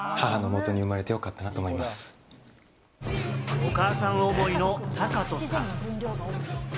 お母さん思いのタカトさん。